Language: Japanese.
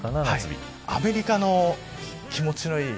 アメリカの気持ちのいい。